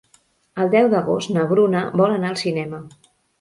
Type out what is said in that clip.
El deu d'agost na Bruna vol anar al cinema.